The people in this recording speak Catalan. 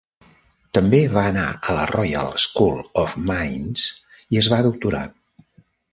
També va anar a la Royal School of Mines i es va doctorar.